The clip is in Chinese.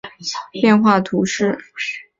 富热罗勒人口变化图示